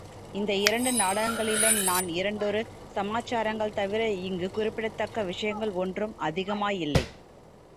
இந்த இரண்டு நாடகங்களிலும் நான் இரண்டொரு சமாச்சாரங்கள் தவிர இங்குக் குறிக்கத்தக்க விஷயங்கள் ஒன்றும் அதிகமாயில்லை.